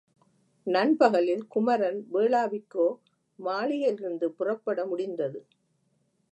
நண்பகலில் குமரன் வேளாவிக்கோ மாளிகையிலிருந்து புறப்பட முடிந்தது.